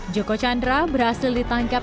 joko chandra berhasil ditangkap